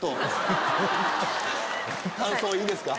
感想いいですか？